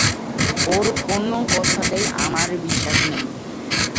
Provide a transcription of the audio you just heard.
ওর কোন কথাতেই আমার বিশ্বাস নেই।